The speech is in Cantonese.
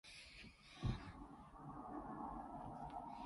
鎚仔永遠係我最好嘅朋友